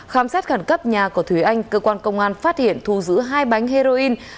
khám sát khẩn cấp nhà của thủy anh cơ quan công an phát hiện thu giữ hai bánh heroin